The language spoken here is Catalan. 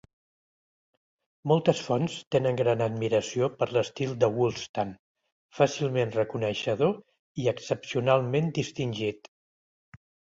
Moltes fonts tenen gran admiració per l'estil de Wulfstan, fàcilment reconeixedor i excepcionalment distingit.